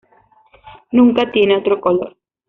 Nunca tiene otro color".